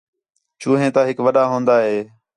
جو ہئیں تا ہِک وݙا ہون٘دا ہِے